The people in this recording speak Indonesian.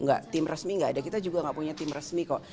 enggak tim resmi enggak ada kita juga enggak punya tim resmi kok